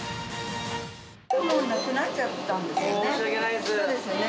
もうなくなっちゃったんです